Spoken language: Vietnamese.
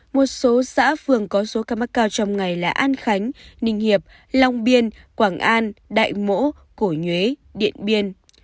một số xã phường có số ca mắc cao trong ngày là an khánh ninh hiệp long biên quảng an đại mỗ cổ nhuế điện biên